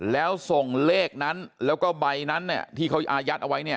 แล้วส่งเลขนั้นแล้วก็ใบนั้นเนี่ยที่เขาอายัดเอาไว้เนี่ย